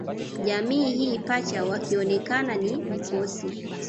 Jamii hii Pacha wakionekana ni mkosi